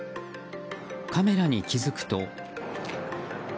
カメラに気付くと。